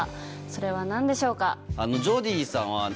それは何でしょうか？